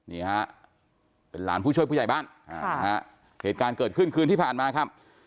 นี่ฮะเป็นหลานผู้ช่วยผู้ใหญ่บ้านเหตุการณ์เกิดขึ้นคืนที่ผ่านมาครับ